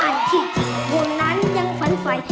อันที่จริงโบนนั้นยังฝันไฟ